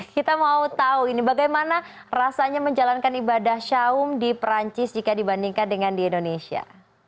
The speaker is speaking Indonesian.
kita mau tahu ini bagaimana rasanya menjalankan ibadah syaum di perancis jika dibandingkan dengan di indonesia